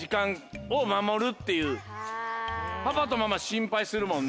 パパとママしんぱいするもんね。